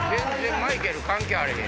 マイケル関係あれへん。